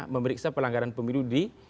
memeriksa pelanggaran pemilu di